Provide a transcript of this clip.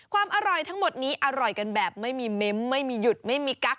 ความอร่อยทั้งหมดนี้อร่อยกันแบบไม่มีเม้มไม่มีหยุดไม่มีกั๊